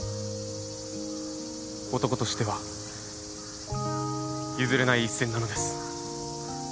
男としては譲れない一線なのです。